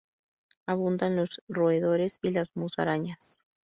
Abundan los roedores y las musarañas.